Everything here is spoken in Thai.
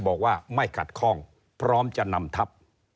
บอกว่าไม่ขัดข้องพร้อมจะนำทัพ